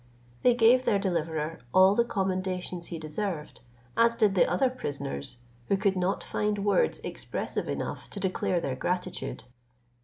They gave their deliverer all the commendations he deserved, as did the other prisoners, who could not find words expressive enough to declare their gratitude.